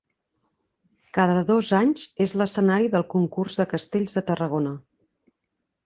Cada dos anys és l'escenari del Concurs de Castells de Tarragona.